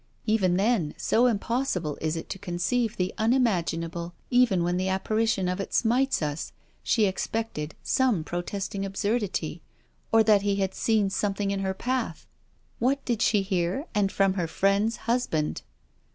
Even then, so impossible is it to conceive the unimaginable even when the apparition of it smites us, she expected some protesting absurdity, or that he had seen something in her path. What did she hear? And from her friend's husband!